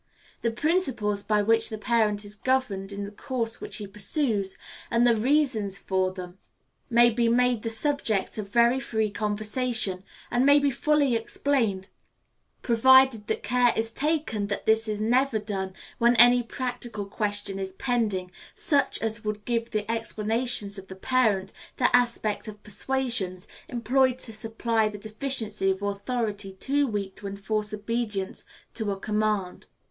The principles by which the parent is governed in the course which he pursues, and the reasons for them, may be made the subject of very free conversation, and may be fully explained, provided that care is taken that this is never done when any practical question is pending, such as would give the explanations of the parent the aspect of persuasions, employed to supply the deficiency of authority too weak to enforce obedience to a command.